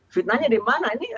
fitnahnya di mana